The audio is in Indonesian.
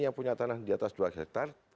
yang punya tanah di atas dua hektare